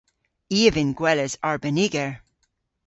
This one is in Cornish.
I a vynn gweles arbeniger.